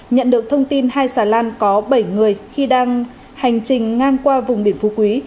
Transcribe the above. nhận được thông tin hai xà lan có bảy người khi đang hành trình ngang qua vùng biển phú quý